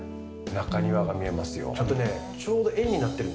中庭が見えますよ。